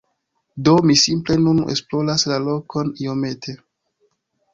Do, mi simple nun esploras la lokon iomete